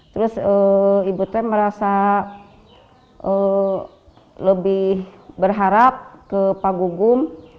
terus ibu t merasa lebih berharap ke pak gugum